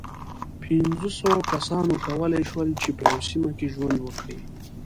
پينځو سوو کسانو کولی شول، چې په یوه سیمه کې ژوند وکړي.